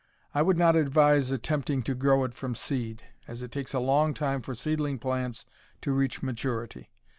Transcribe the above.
I would not advise attempting to grow it from seed, as it takes a long time for seedling plants to reach maturity.